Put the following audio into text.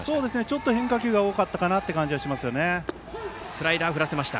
ちょっと変化球が多かったかなという感じがしましたね。